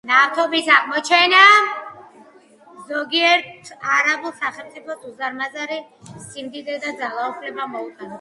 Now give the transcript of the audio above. ნავთობის აღმოჩენამ ზოგიერთ არაბულ სახელმწიფოს უზარმაზარი სიმდიდრე და ძალაუფლება მოუტანა.